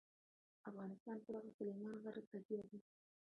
افغانستان په دغه سلیمان غر تکیه لري.